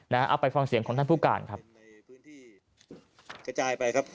เอาไปฟังเสียงของท่านผู้การครับ